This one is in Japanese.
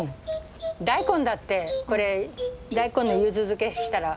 大根だってこれ大根のゆず漬けしたら。